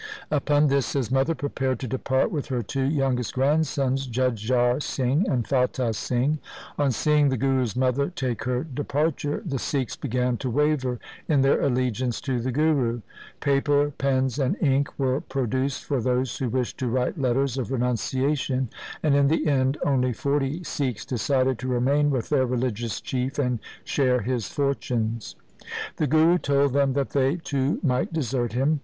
Upon this his mother prepared to depart with her two youngest grandsons, Jujhar Singh and Fatah Singh. On seeing the Guru's mother take her departure, the Sikhs began to waver in their allegiance to the Guru. Paper, pens, and ink were produced for those who wished to write letters of renunciation, and in the end only forty Sikhs decided to remain with their religious Chief and share his fortunes. The Guru told them that they too might desert him.